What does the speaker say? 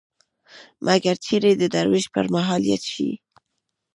مګر چېرې د دروېش په مهر ياد شي.